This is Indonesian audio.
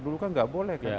dulu kan tidak boleh